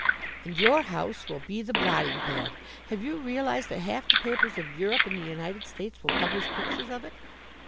"And your house will be the blotting pad. Have you realized that half the papers of Europe and the United States will publish pictures of it?